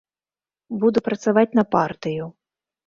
Буду працаваць на партыю.